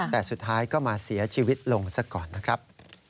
แต่สุดท้ายก็มาเสียชีวิตลงซะก่อนนะครับ